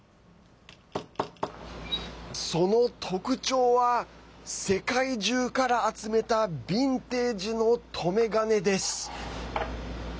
その特徴は、世界中から集めたビンテージの留め金です。